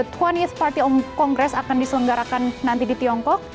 the dua puluh th party congress akan diselenggarakan nanti di tiongkok